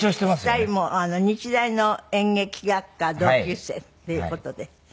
２人も日大の演劇学科同級生っていう事で。